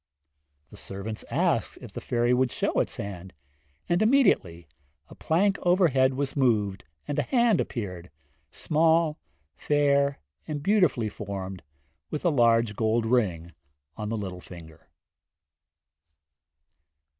The servants asked if the fairy would show its hand, and immediately a plank overhead was moved and a hand appeared, small, fair and beautifully formed, with a large gold ring on the little finger.